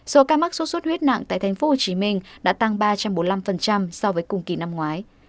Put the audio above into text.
số ca mắc sốt xuất huyết nặng tại tp hcm đã tăng ba trăm bốn mươi năm so với cùng kỳ năm ngoái